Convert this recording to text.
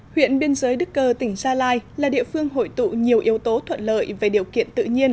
huyện biên giới đức cơ tỉnh gia lai là địa phương hội tụ nhiều yếu tố thuận lợi về điều kiện tự nhiên